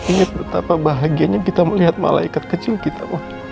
ingat betapa bahagianya kita melihat malaikat kecil kita